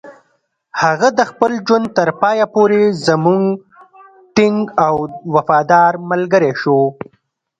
هغه د خپل ژوند تر پایه پورې زموږ ټینګ او وفادار ملګری شو.